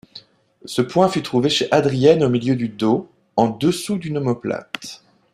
Ce point fut trouvé chez Adrienne au milieu du dos, en dessous d’une omoplate.